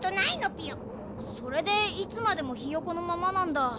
それでいつまでもひよこのままなんだ。